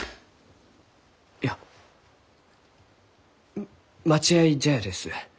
いや待合茶屋です。